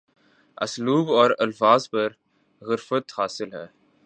اسلوب اور الفاظ پر گرفت حاصل ہے